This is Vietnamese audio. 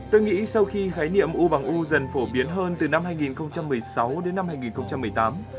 tôi nghĩ sau khi khái niệm u bằng u dần phổ biến hơn từ năm hai nghìn một mươi sáu đến năm hai nghìn một mươi tám